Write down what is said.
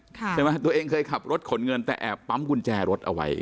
ใช่ไหมตัวเองเคยขับรถขนเงินแต่แอบปั๊มกุญแจรถเอาไว้